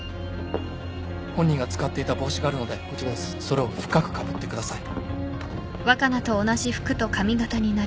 本人が使っていた帽子があるのでそれを深くかぶってください。